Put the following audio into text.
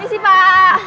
ini sih pak